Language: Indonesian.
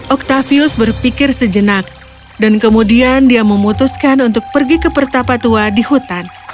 octavius berpikir sejenak dan kemudian dia memutuskan untuk pergi ke pertapa tua di hutan